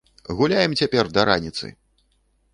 Гуляем цяпер да раніцы!